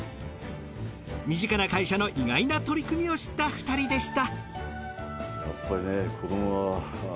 身近な会社の意外な取り組みを知った２人でした。